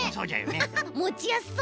アハハッもちやすそう。